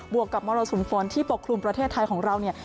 วกกับมรสุมฝนที่ปกคลุมประเทศไทยของเราเนี่ย